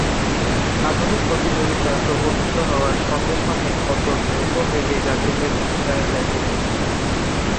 আধুনিক প্রতিযোগিতা প্রবর্তিত হওয়ার সঙ্গে সঙ্গে কত দ্রুতবেগে জাতিভেদ উঠিয়া যাইতেছে।